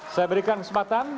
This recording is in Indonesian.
saya berikan kesempatan